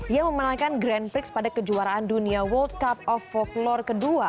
yang memenangkan grand prix pada kejuaraan dunia world cup of folklore ke dua